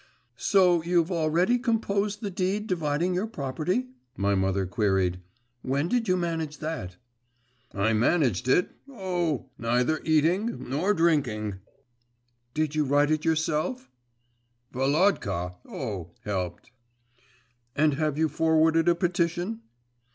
'So you've already composed the deed dividing your property?' my mother queried. 'When did you manage that?' 'I managed it … oh! Neither eating, nor drinking ' 'Did you write it yourself?' 'Volodka … oh! helped.' 'And have you forwarded a petition?